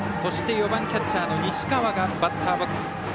４番キャッチャーの西川がバッターボックス。